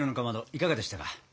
いかがでしたか？